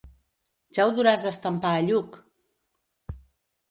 Ja ho duràs a estampar a Lluc!